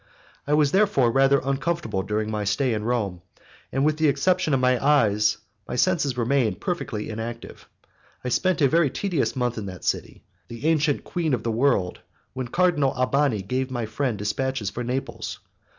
I was therefore rather uncomfortable during my stay in Rome, and with the exception of my eyes my senses remained perfectly inactive. I had spent a very tedious month in that city, the ancient queen of the world, when Cardinal Albani gave my friend dispatches for Naples.